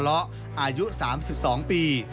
อายุ๓๒ปี